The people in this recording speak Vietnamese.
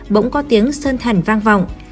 bỗng có tiếng sơn thần vang vọng